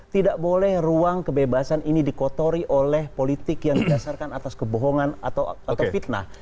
tidak boleh ruang kebebasan ini dikotori oleh politik yang didasarkan atas kebohongan atau fitnah